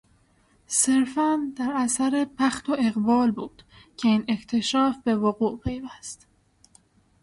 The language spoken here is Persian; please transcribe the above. صرفا در اثر بخت و اقبال بود که این اکتشاف به وقوع پیوست.